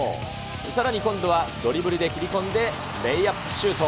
さらに、今度はドリブルで切り込んでレイアップシュート。